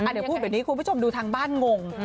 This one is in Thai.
เดี๋ยวพูดแบบนี้คุณผู้ชมดูทางบ้านงง